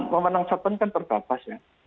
memenang satpam kan terbatas ya